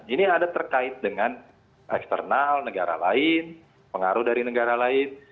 ini ada terkait dengan eksternal negara lain pengaruh dari negara lain